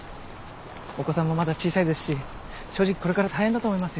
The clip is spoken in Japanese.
お子さんもまだ小さいですし正直これから大変だと思いますよ。